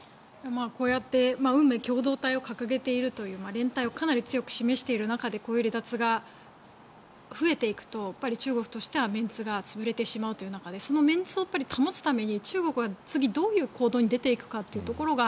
こうやって運命共同体を掲げているという連帯をかなり強く示している中でこういう離脱が増えていくと中国としてはメンツが潰れてしまうという中でそのメンツを保つために中国が次にどういう行動に出てくるのかというのが